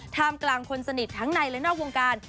ท่ามกลางคนสนิททั้งในและนอกวงการ